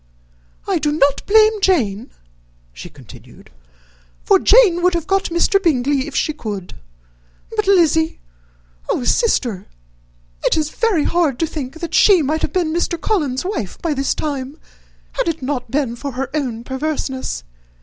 "I do not blame Jane," she continued, "for Jane would have got Mr. Bingley if she could. But, Lizzy! Oh, sister! it is very hard to think that she might have been Mr. Collins's wife by this time, had not it been for her own perverseness.